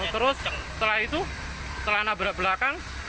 terus setelah itu setelah nabrak belakang